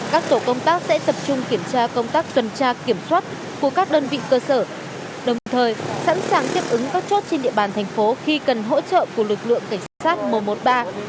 các tổ công tác sẽ tập trung kiểm tra công tác tuần tra kiểm soát của các đơn vị cơ sở đồng thời sẵn sàng tiếp ứng các chốt trên địa bàn thành phố khi cần hỗ trợ của lực lượng cảnh sát một trăm một mươi ba